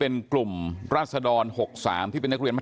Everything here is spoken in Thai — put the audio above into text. โคศกรรชาวันนี้ได้นำคลิปบอกว่าเป็นคลิปที่ทางตำรวจเอามาแถลงวันนี้นะครับ